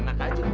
tiga jatuh tiga